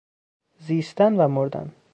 زیستن و مردن